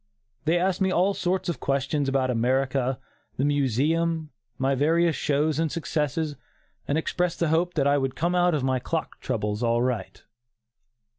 They asked me all sorts of questions about America, the Museum, my various shows and successes, and expressed the hope that I would come out of my clock troubles all right.